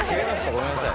ごめんなさい。